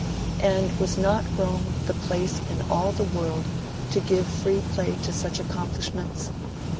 And was not Rome the place in all the world to give free play to such accomplishments?